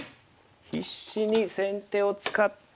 必死に先手を使って。